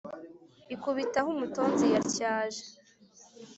Ikubitaho umutonzi yatyaje,